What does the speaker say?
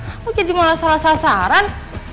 aku jadi malah salah sasaran